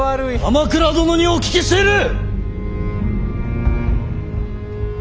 鎌倉殿にお聞きしている！